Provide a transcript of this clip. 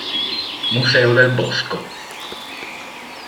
Museo del bosco